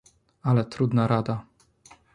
"Ale trudna rada."